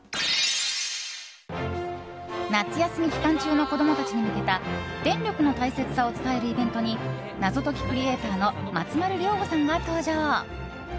夏休み期間中の子供たちに向けた電力の大切さを伝えるイベントに謎解きクリエーターの松丸亮吾さんが登場。